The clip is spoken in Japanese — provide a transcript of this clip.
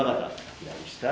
左下。